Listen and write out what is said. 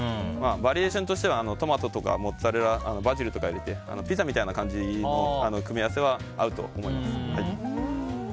バリエーションとしてはトマトとかモッツァレラとかバジルとかを入れてピザみたいな感じの組み合わせはあると思います。